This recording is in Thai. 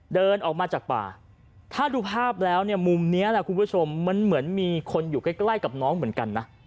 เดินออกมาจากป่าถ้าดูภาพแล้วเนี่ยมุมนี้แหละคุณผู้ชมมันเหมือนมีคนอยู่ใกล้กับน้องเหมือนกันนะ